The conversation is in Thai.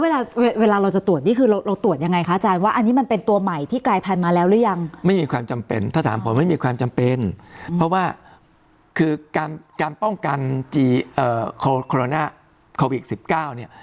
แล้วเวลาเราจะตรวจนี่คือเราตรวจยังไงคะอาจารย์